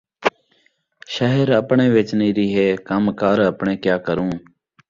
شھر اپݨے وچ نی ریہے کم کار اپݨے کیا کروں